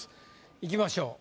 いきましょう。